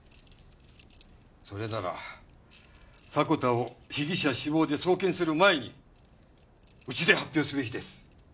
それなら迫田を被疑者死亡で送検する前にうちで発表すべきです。